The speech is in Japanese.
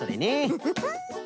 フフフ。